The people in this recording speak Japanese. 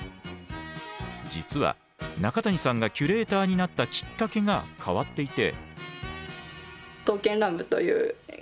実は中谷さんがキュレーターになったきっかけが変わっていて。